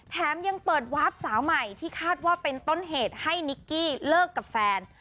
แถมยังเปิดวาร์ฟสาวใหม่ที่คาดว่าเป็นต้นเหตุให้นิกกี้เลิกกับแฟน